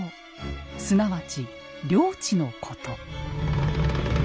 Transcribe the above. すなわち領地のこと。